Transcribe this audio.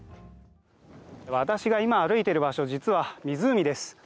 私が今歩いている場所、実は湖です。